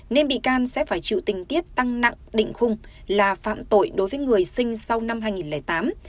nên bị can sẽ phải chịu tình tiết tăng nặng định khung là phạm tội đối với người sinh sau năm hai nghìn tám